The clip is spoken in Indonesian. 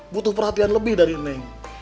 butuh perhatian lebih dari neng